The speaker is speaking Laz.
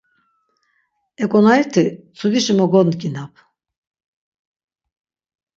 Eǩonariti mtsudişi mo gondginap.